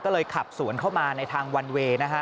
ก็เลยขับสวนเข้ามาในทางวันเวย์นะฮะ